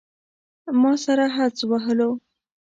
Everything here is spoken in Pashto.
ما سره حدس وهلو.